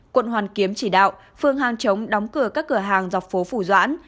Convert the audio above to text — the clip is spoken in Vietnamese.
quận hoàn kiếm chỉ đạo phương hàng chống đóng cửa các cửa hàng dọc phố phủ doãn